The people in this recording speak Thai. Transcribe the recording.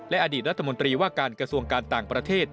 อดีตรัฐมนตรีว่าการกระทรวงการต่างประเทศ